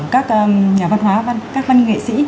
các nhà văn hóa các văn nghệ sĩ